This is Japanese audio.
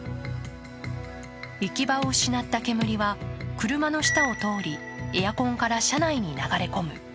行き場を失った煙は車の下を通りエアコンから車内に流れ込む。